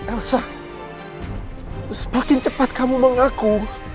elsa semakin cepat kamu mengaku